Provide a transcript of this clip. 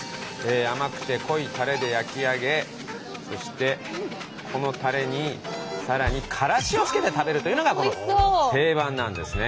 甘くて濃いタレで焼き上げそしてこのタレにさらにからしをつけて食べるというのが定番なんですね。